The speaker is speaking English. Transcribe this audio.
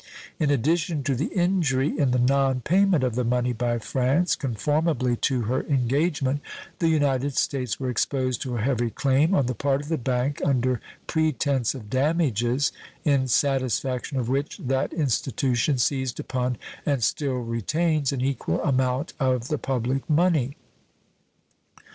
In addition to the injury in the nonpayment of the money by France, conformably to her engagement, the United States were exposed to a heavy claim on the part of the bank under pretense of damages, in satisfaction of which that institution seized upon and still retains an equal amount of the public money.